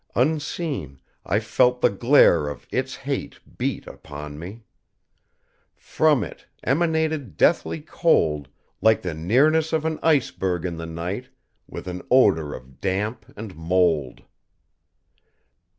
Unseen, I felt the glare of Its hate beat upon me. From It emanated deathly cold, like the nearness of an iceberg in the night, with an odor of damp and mold.